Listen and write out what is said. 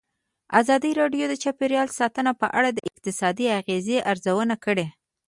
ازادي راډیو د چاپیریال ساتنه په اړه د اقتصادي اغېزو ارزونه کړې.